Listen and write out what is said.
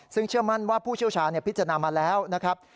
ซึ่งเชื่อมั่นว่าผู้เชี่ยวชาญพิจารณามาแล้วนะครับ